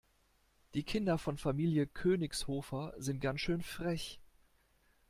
Die Kinder von Familie Königshofer sind ganz schön frech.